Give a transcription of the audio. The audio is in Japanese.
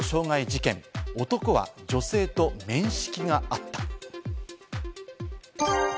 八王子強盗傷害事件、男は女性と面識があった。